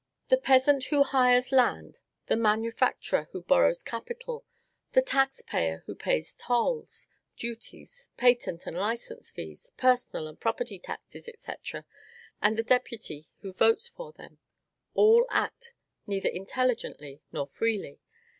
The peasant who hires land, the manufacturer who borrows capital, the tax payer who pays tolls, duties, patent and license fees, personal and property taxes, &c., and the deputy who votes for them, all act neither intelligently nor freely.